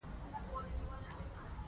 هغه په تایید سره سر وښوراوه